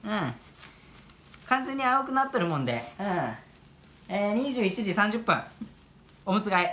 完全に青くなってるもんでうんえ２１時３０分おむつ替え。